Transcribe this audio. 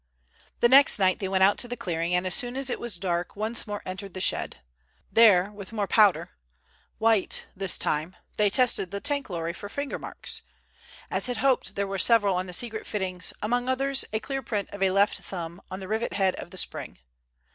The next night they went out to the clearing, and as soon as it was dark once more entered the shed. There with more powder—white this time they tested the tank lorry for finger marks. As they had hoped, there were several on the secret fittings, among others a clear print of a left thumb on the rivet head of the spring.